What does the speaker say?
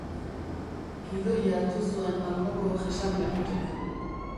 Gidoia hartu zuen alboko jesarlekutik.